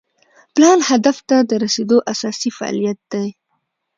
پلان هدف ته د رسیدو اساسي فعالیت دی.